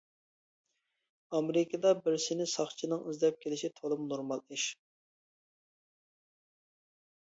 ئامېرىكىدا بىرسىنى ساقچىنىڭ ئىزدەپ كېلىشى تولىمۇ نورمال ئىش.